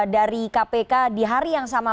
dari kpk di hari yang sama